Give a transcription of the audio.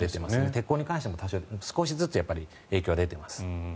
鉄鋼に関しても少しずつ影響は出ています。